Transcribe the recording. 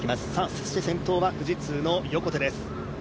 そして、先頭は富士通の横手です